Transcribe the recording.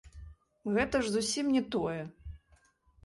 Гэта ж зусім не тое.